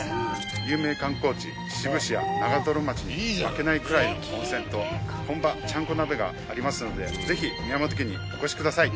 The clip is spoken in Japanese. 有名観光地秩父市や長町に負けないくらいの温泉と本場ちゃんこ鍋がありますのでぜひ宮本家にお越しください